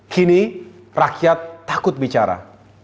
kini rakyat takut bicara